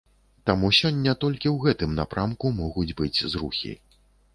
Таму сёння толькі ў гэтым напрамку могуць быць зрухі.